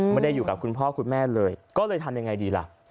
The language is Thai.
ไม่ได้อยู่กับคุณพ่อคุณแม่เลยก็เลยทำยังไงดีล่ะ